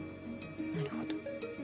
なるほど。